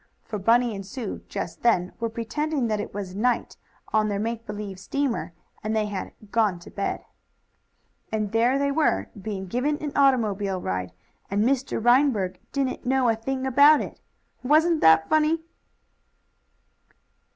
For Bunny and Sue, just then, were pretending that it was night on their make believe steamer, and they had "gone to bed." And there they were, being given an automobile ride, and Mr. Reinberg didn't know a thing about it. Wasn't that funny?